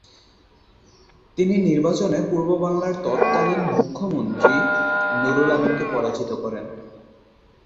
তিনি নির্বাচনে পূর্ব বাংলার তৎকালীন মুখ্যমন্ত্রী নুরুল আমিনকে পরাজিত করেন।